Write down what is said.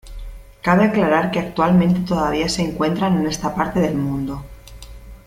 Cabe aclarar que actualmente todavía se encuentran en esta parte del mundo.